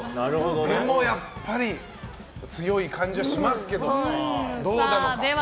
でもやっぱり強い感じはしますけどどうなのか。